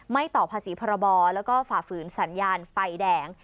ต่อภาษีพรบแล้วก็ฝ่าฝืนสัญญาณไฟแดง